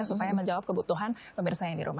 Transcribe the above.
supaya menjawab kebutuhan pemirsa yang di rumah